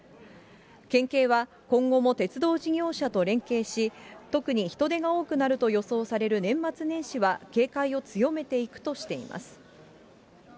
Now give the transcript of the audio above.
県警は今後も鉄道事業者と連携し、特に人出が多くなると予想される年末年始は、警戒を強めていくとしています。